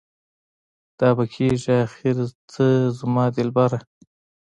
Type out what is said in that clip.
دا به کيږي اخر څه زما دلبره؟